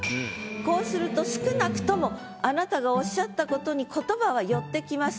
こうすると少なくともあなたがおっしゃったことに言葉は寄ってきます。